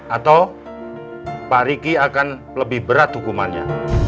atau pak riki akan lebih berat hukumannya